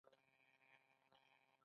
موږ د بدو قوانینو اطاعت ته مجاز نه یو.